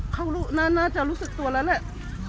เขาน่าจะรู้สึกตัวแล้วแหละ